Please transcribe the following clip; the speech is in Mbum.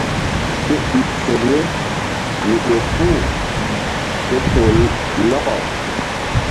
Ke ik sol ye mi ƴo puh ke toh lɔkɔ.